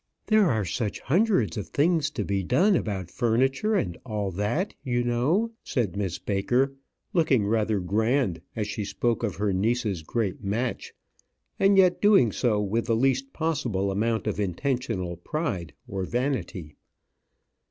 "There are such hundreds of things to be done about furniture and all that, you know," said Miss Baker, looking rather grand as she spoke of her niece's great match; and yet doing so with the least possible amount of intentional pride or vanity.